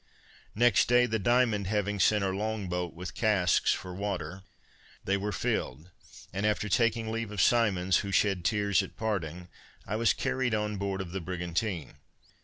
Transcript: Next day, the Diamond having sent her long boat with casks for water, they were filled; and after taking leave of Symonds, who shed tears at parting, I was carried on board of the brigantine.